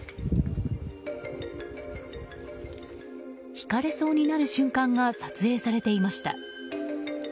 ひかれそうになる瞬間が撮影されていました。